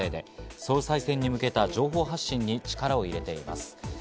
総裁選に向けた情報発信に力を入れています。